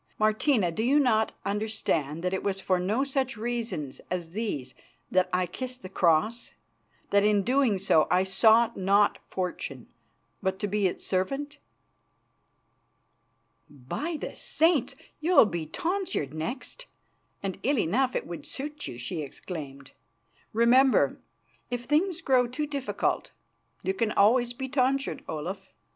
Martina, do you not understand that it was for no such reasons as these that I kissed the Cross; that in so doing I sought not fortune, but to be its servant?" "By the Saints! you'll be tonsured next, and ill enough it would suit you," she exclaimed. "Remember, if things grow too difficult, you can always be tonsured, Olaf.